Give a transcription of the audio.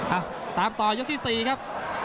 เอ้าตามตอนยกที่๔ครับ